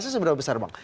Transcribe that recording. seberapa besar bang